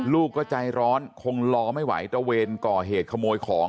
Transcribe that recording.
ลูกก็ใจร้อนคงรอไม่ไหวตระเวนก่อเหตุขโมยของ